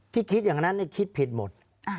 คิดอย่างนั้นคิดผิดหมด